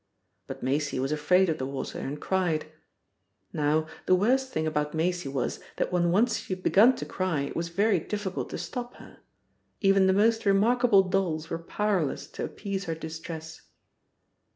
But Maisie was afraid of the water, and cried. Now, the worst thing about Maisie was that when once she had begun to cry it was very difficult to stop her. Even the most remarkable dolls were powerless to appease her distress.